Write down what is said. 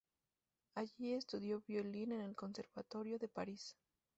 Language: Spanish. Allí estudió violín en el Conservatorio de París.